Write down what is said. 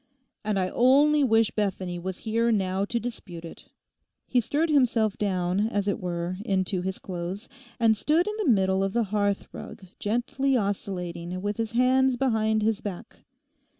And I only wish Bethany was here now to dispute it!' He stirred himself down, as it were, into his clothes, and stood in the middle of the hearthrug, gently oscillating, with his hands behind his back.